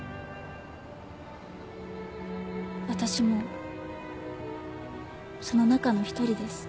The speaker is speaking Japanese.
私もその中の１人です。